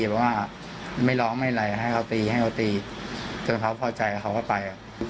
เพราะว่าไม่ร้องไม่ไรให้เขาตีให้เขาตีจนเขาพอใจกับเขาก็ไปอ่ะ